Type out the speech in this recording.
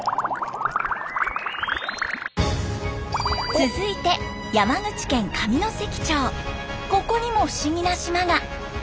続いてここにも不思議な島が！